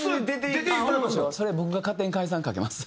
それは僕が勝手に解散かけます。